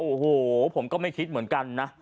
โอ้โหผมก็ไม่คิดเหมือนกันนะ